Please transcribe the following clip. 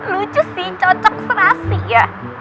lucu sih cocok serasi ya